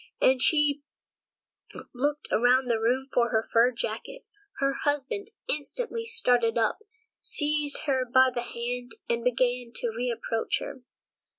And she looked around the room for her fur jacket. Her husband instantly started up, seized her by the hand, and began to reproach her.